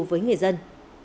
với người dân